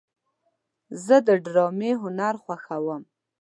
زه د ډرامې هنر خوښوم.